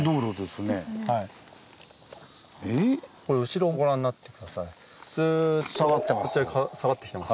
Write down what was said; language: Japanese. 後ろご覧になって下さい。